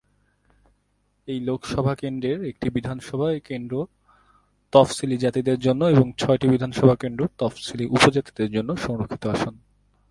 এই লোকসভা কেন্দ্রের একটি বিধানসভা কেন্দ্র তফসিলী জাতিদের জন্য এবং ছয়টি বিধানসভা কেন্দ্র তফসিলী উপজাতিদের জন্য সংরক্ষিত আসন।